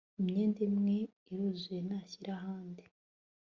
imyenda imwe iruzuye nashire ahandi